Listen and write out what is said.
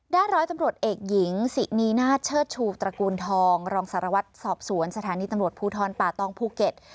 ร้อยตำรวจเอกหญิงสินีนาฏเชิดชูตระกูลทองรองสารวัตรสอบสวนสถานีตำรวจภูทรป่าตองภูเก็ต